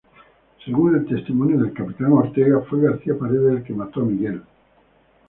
Según el testimonio del capitán Ortega, fue García Paredes el que mató a Miguel.